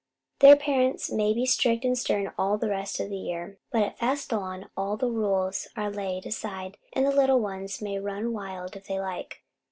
Their parents may be strict and stern all the rest of the year, but at Fastilevn all rules are laid aside and the little ones may run wild if they like.